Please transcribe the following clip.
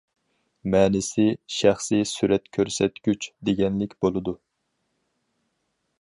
مەنىسى: شەخسىي سۈرەت كۆرسەتكۈچ، دېگەنلىك بولىدۇ.